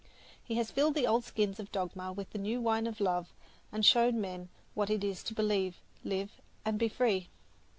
He has filled the old skins of dogma with the new wine of love, and shown men what it is to believe, live and be free.